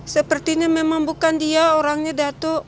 sepertinya memang bukan dia orangnya datuk